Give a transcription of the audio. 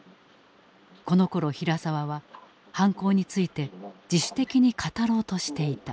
このころ平沢は犯行について自主的に語ろうとしていた。